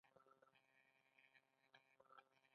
هغې تره ته اوبه وړلې.